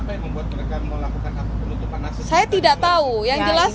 apa yang membuat mereka melakukan penutupan akses